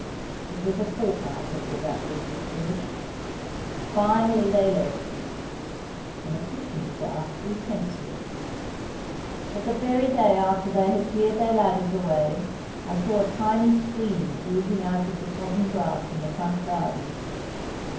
It was a fortnight before that roof was finished. Finally they left. And the kitchen staff grew pensive. But the very day after they had cleared their ladders away, I saw a tiny stream oozing out of the sodden grass in the front garden.